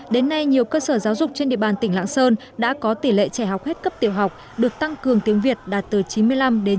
đến nay nhiều cơ sở giáo dục trên địa bàn tỉnh lạng sơn đã có tỷ lệ trẻ học hết cấp tiểu học được tăng cường tiếng việt đạt từ chín mươi năm đến sáu mươi